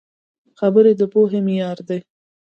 خبرې د پوهې معیار دي